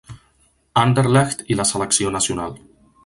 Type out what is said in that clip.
Anderlecht i la selecció nacional